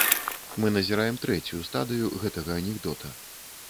Мы назіраем трэцюю стадыю гэтага анекдота.